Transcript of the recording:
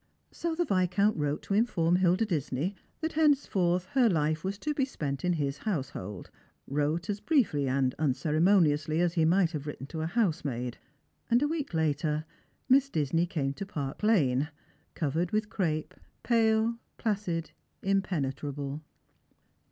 So the Viscount wrote to inform Hilda Disney that hence forth her life was to be spent in his household — wrote as briefly and unceremoniously as he might have written to a housemaid ^— and a week later Miss Disney came to Park lane, covered with % crape, pale, placid, impenetrable.